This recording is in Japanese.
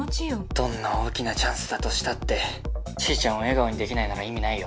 どんな大きなチャンスだとしたってちーちゃんを笑顔にできないなら意味ないよ。